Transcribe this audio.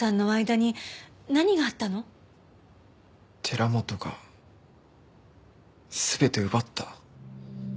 寺本が全て奪った。